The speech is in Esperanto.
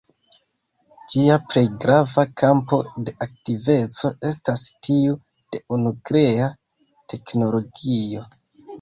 Ĝia plej grava kampo de aktiveco estas tiu de nuklea teknologio.